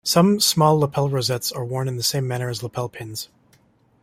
Some small lapel rosettes are worn in the same manner as lapel pins.